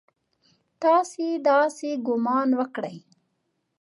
تاسې داسې ګومان وکړئ!